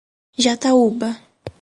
Jataúba